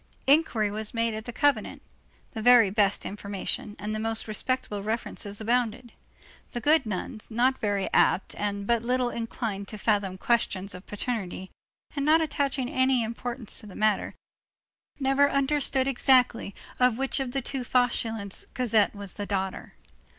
Inquiry was made at that convent; the very best information and the most respectable references abounded; the good nuns, not very apt and but little inclined to fathom questions of paternity, and not attaching any importance to the matter, had never understood exactly of which of the two Fauchelevents Cosette was the daughter.